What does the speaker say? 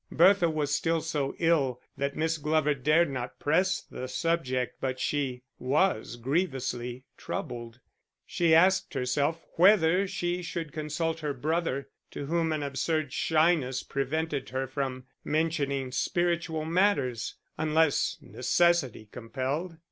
Bertha was still so ill that Miss Glover dared not press the subject, but she was grievously troubled. She asked herself whether she should consult her brother, to whom an absurd shyness prevented her from mentioning spiritual matters, unless necessity compelled.